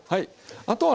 あとはね